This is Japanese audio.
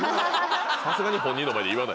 さすがに本人の前で言わない